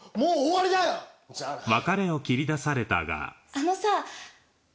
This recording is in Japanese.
あのさ。